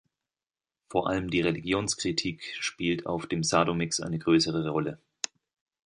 Vor allem die Religionskritik spielt auf dem Sado-Mix eine größere Rolle.